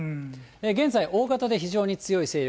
現在、大型で非常に強い勢力。